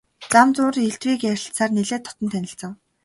Зам зуур элдвийг ярилцсаар нэлээд дотно танилцав.